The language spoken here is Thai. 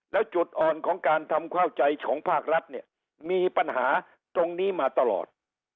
แล้วจุดอ่อนของการทำเข้าใจของภาครัฐเนี่ยมีปัญหาตรงนี้มาตลอด